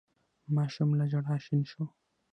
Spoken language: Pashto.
ماشوم له ژړا شين شو.